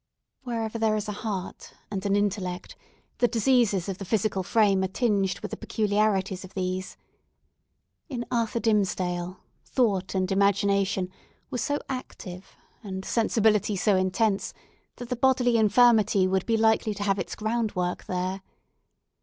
Wherever there is a heart and an intellect, the diseases of the physical frame are tinged with the peculiarities of these. In Arthur Dimmesdale, thought and imagination were so active, and sensibility so intense, that the bodily infirmity would be likely to have its groundwork there.